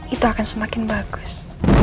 itu akan semakin bagus